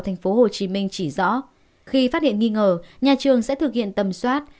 tp hcm chỉ rõ khi phát hiện nghi ngờ nhà trường sẽ thực hiện tầm soát